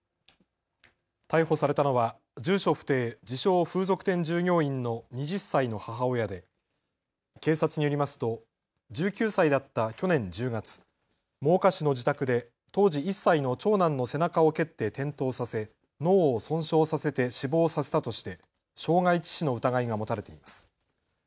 逮捕されたのは住所不定、自称、風俗店従業員の２０歳の母親で警察によりますと１９歳だった去年１０月、真岡市の自宅で当時１歳の長男の背中を蹴って転倒させ脳を損傷させて死亡させたとして傷害致死の疑いが持たれています。